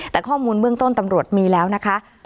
แต่ข้อมูลเบื้องต้นตำรวจมีแล้วนะคะ